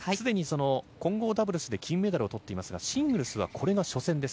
すでに混合ダブルスで金メダルを取っていますが、シングルスはこれが初戦です。